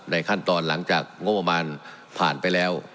ขั้นตอนหลังจากงบประมาณผ่านไปแล้ว